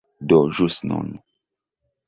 Do ĵus nun